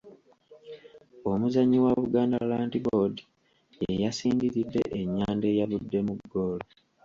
Omuzannyi wa Buganda Land Board y'eyasindiridde ennyanda eyavuddemu ggoolo.